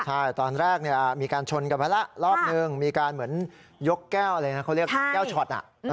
ใช่ตอนแรกมีการชนกันไปแล้วรอบนึงมีการเหมือนยกแก้วอะไรนะเขาเรียกแก้วช็อต